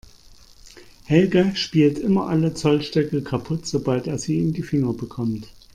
Helge spielt immer alle Zollstöcke kaputt, sobald er sie in die Finger bekommt.